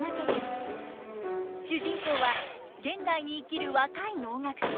主人公は現代に生きる若い能楽師。